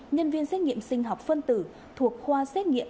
nhân viên xét nghiệm sinh học phân tử thuộc khoa xét nghiệm